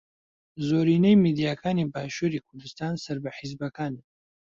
زۆرینەی میدیاکانی باشووری کوردستان سەر بە حیزبەکانن.